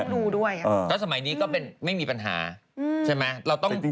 อีกก็ต้องดูด้วยแล้วสมัยนี้ก็เป็นไม่มีปัญหาใช่ไหม